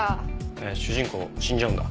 へえー主人公死んじゃうんだ。